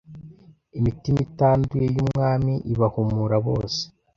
imitima itanduye y umwami ibahumura bose